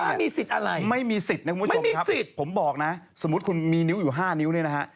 ไม่มีสิทธิ์อะไรไม่มีสิทธิ์นะคุณผู้ชมครับสิทธิ์ผมบอกนะสมมุติคุณมีนิ้วอยู่๕นิ้วเนี่ยนะฮะ